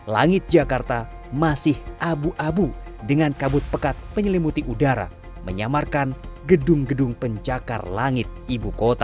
langit jakarta masih abu abu dengan kabut pekat penyelimuti udara menyamarkan gedung gedung pencakar langit ibu kota